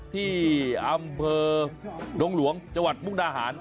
ที่อำเภอดงหลวงจังหวัดมุกดาหาร